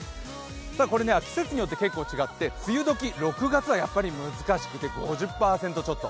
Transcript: これ、季節によって結構違って、梅雨時６月は難しくて５０％ちょっと。